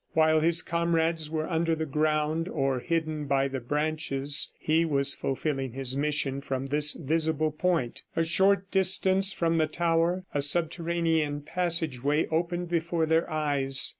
While his comrades were under the ground or hidden by the branches, he was fulfilling his mission from this visible point. A short distance from the tower a subterranean passageway opened before their eyes.